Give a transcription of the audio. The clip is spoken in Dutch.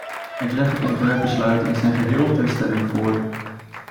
Ik leg het ontwerpbesluit in zijn geheel ter stemming voor.